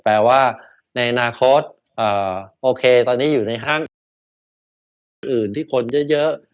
แปลว่าในอนาคตโอเคตอนนี้อยู่ในห้างอื่นที่คนเยอะ